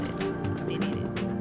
mereka butuh itu